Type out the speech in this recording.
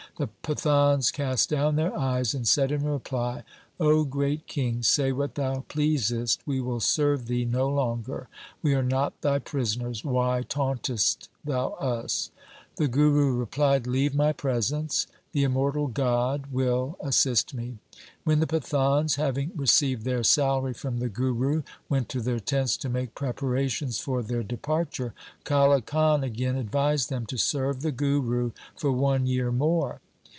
The Pathans cast down their eyes and said in reply, ' O great king, say what thou pleasest. We will serve thee no longer. We are not thy prisoners. Why tauntest thou us ?' The Guru replied, ' Leave my presence ; the immortal God will assist me.' When the Pathans, having received their salary from the Guru, went to their tents to make preparations for their departure, Kale Khan again advised them to serve the Guru for one year more.